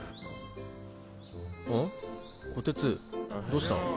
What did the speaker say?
ん？こてつどうした？